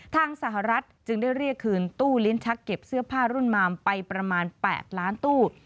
ทางสหรัฐจึงได้เรียกคืนตู้ลิ้นชักเก็บเสื้อผ้ารุ่นมามไปประมาณ๘ล้านตู้